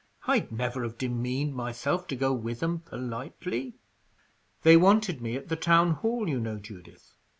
I'd never have demeaned myself to go with 'em politely." "They wanted me at the town hall, you know, Judith.